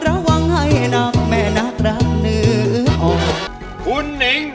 ร้องนายให้รับคุณ